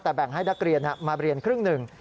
แต่แบ่งให้นักเรียนมาเรียนครึ่งหนึ่ง